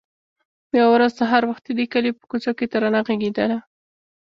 يوه ورځ سهار وختي د کلي په کوڅو کې ترانه غږېدله.